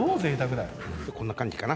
こんな感じかな。